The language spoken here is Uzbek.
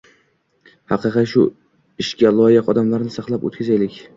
haqiqiy shu ishga loyiq odamlarni saylab o‘tkazaylik.